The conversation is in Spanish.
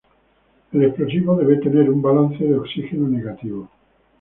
El explosivo debe tener un balance de oxígeno negativo.